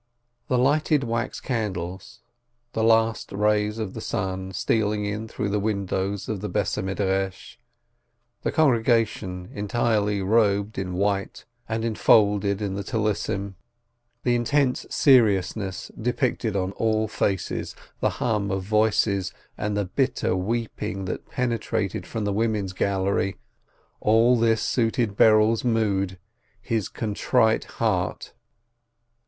The lighted wax candles, the last v rays of the sun stealing in through the windows of the house of study, the congregation entirely robed in white and enfolded in the prayer scarfs, the intense seriousness depicted on all faces, the hum of voices, and the bitter weeping that penetrated from the women's gallery, all this suited BerePs mood, his contrite heart.